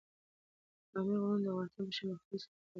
د پامیر غرونه د افغانستان په شمال ختیځ کې موقعیت لري.